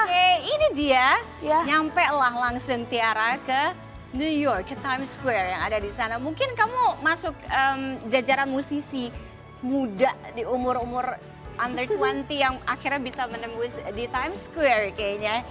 hei ini dia nyampelah langsung tiara ke new york ke times square yang ada di sana mungkin kamu masuk jajaran musisi muda di umur umur under dua puluh yang akhirnya bisa menembus di times square kayaknya